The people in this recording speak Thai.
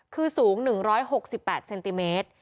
คือสูง๑๖๘เซนติเมตร